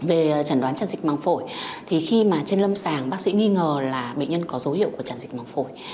về trần đoán tràn dịch măng phổi thì khi mà trên lâm sàng bác sĩ nghi ngờ là bệnh nhân có dấu hiệu của tràn dịch măng phổi